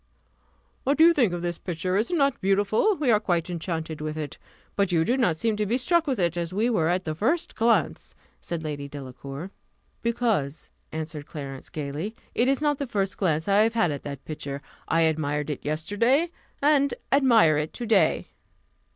"What do you think of this picture? is it not beautiful? We are quite enchanted with it; but you do not seem to be struck with it, as we were at the first glance," said Lady Delacour. "Because," answered Clarence, gaily, "it is not the first glance I have had at that picture I admired it yesterday, and admire it to day."